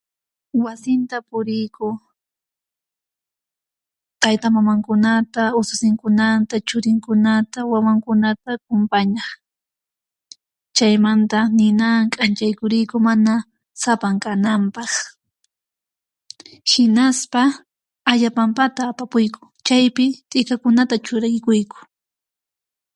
Wasinta puriyku taytamamankunata ususinkunata churinkunata wawankunata kumpañaq chaymanta ninawan k'anchaykuriyku mana sapan kananpaq, hinaspa ayapampata apapuyku, chaypi t'ikakunata churaykuyku